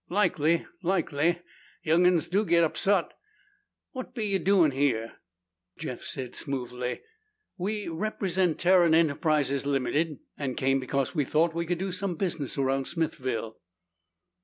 "Likely. Likely. Young'uns do get upsot. What be ye doin' here?" Jeff said smoothly, "We represent Tarrant Enterprises, Ltd., and came because we thought we could do some business around Smithville."